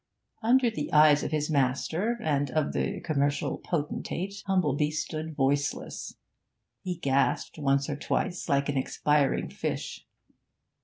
Under the eye of his master and of the commercial potentate, Humplebee stood voiceless; he gasped once or twice like an expiring fish.